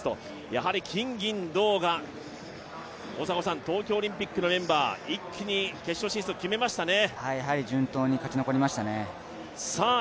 やはり金・銀・銅の東京オリンピックのメンバー一気に決勝進出を決めましたね。